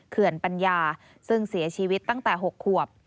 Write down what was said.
เขื่อนปัญญาซึ่งเสียชีวิตตั้งแต่๖ขวบ